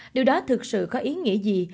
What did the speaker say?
điều đó thực sự có ý nghĩa gì